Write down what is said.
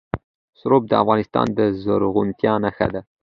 رسوب د افغانستان د زرغونتیا نښه ده.